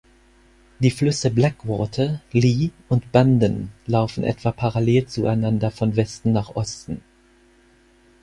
Die Flüsse Blackwater, Lee und Bandon laufen etwa parallel zueinander von Westen nach Osten.